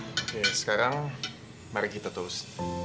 oke sekarang mari kita terus